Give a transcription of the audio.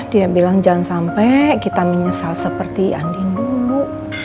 dia bilang jangan sampai kita menyesal seperti andin dulu